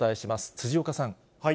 辻岡さん。